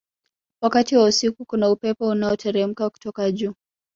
wakati wa usiku kuna upepo unaoteremka kutoka juu